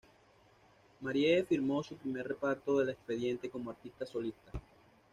Marie firmó su primer reparto del expediente como artista solista.